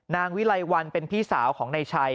นางวิไลวันเป็นพี่สาวของนายชัย